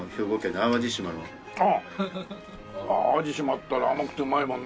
淡路島ったら甘くてうまいもんね。